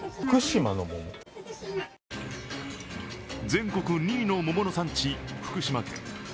全国２位の桃の産地、福島県。